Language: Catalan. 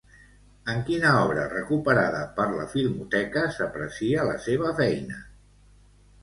En quina obra recuperada per la Filmoteca s'aprecia la seva feina?